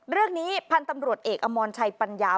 เรื่องนี้พันธุ์ตำรวจเอกอมรชัยปัญญา